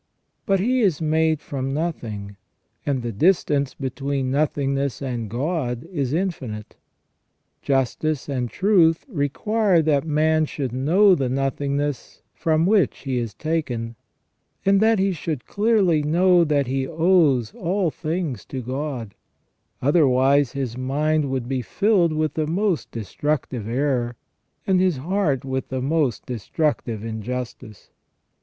But he is made from nothing, and the distance between nothingness and God is infinite. Justice and truth require that man should know the nothingness from which he is taken, and that he should clearly know that he owes all things to God, otherwise his mind would be filled with the most destructive error, and his heart with most destructive injustice.